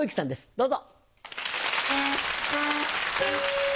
どうぞ。